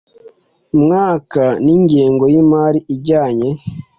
mwaka n ingengo y imari ijyanye